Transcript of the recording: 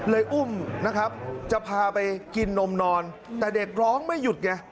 อุ้มนะครับจะพาไปกินนมนอนแต่เด็กร้องไม่หยุดไง